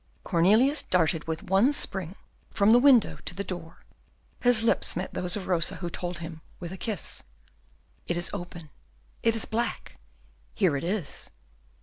Cornelius darted with one spring from the window to the door, his lips met those of Rosa, who told him, with a kiss, "It is open, it is black, here it is."